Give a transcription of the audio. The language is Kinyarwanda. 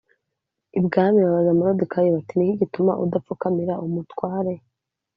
ibwami babaza Moridekayi bati Ni iki gituma udapfukamira umutware